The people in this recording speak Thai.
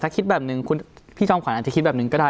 แซ็คคิดแบบนึงพี่จอมขวานอาจจะคิดแบบนึงก็ได้